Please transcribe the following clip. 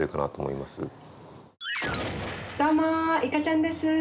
どうもいかちゃんです。